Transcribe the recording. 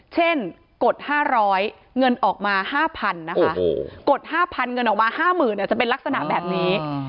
กด๕๐๐เงินออกมา๕๐๐นะคะกด๕๐๐เงินออกมา๕๐๐๐จะเป็นลักษณะแบบนี้